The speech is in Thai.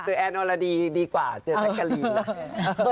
เจอแอดออกดักดีกว่าเจอแจ๊กกะลีนะ